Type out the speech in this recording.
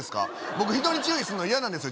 僕人に注意するの嫌なんですよ